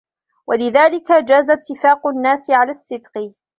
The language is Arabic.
وَلِذَلِكَ جَازَ اتِّفَاقُ النَّاسِ عَلَى الصِّدْقِ